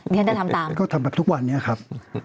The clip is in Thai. ฉันจะทำตามก็ทำแบบทุกวันนี้ครับ